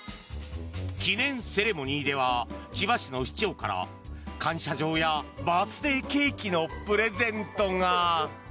記念セレモニーでは千葉市の市長から感謝状やバースデーケーキのプレゼントが。